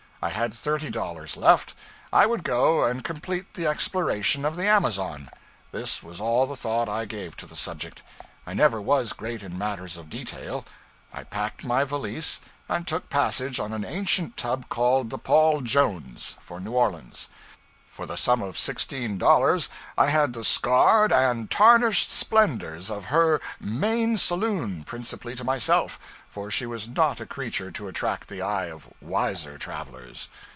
I had thirty dollars left; I would go and complete the exploration of the Amazon. This was all the thought I gave to the subject. I never was great in matters of detail. I packed my valise, and took passage on an ancient tub called the 'Paul Jones,' for New Orleans. For the sum of sixteen dollars I had the scarred and tarnished splendors of 'her' main saloon principally to myself, for she was not a creature to attract the eye of wiser travelers.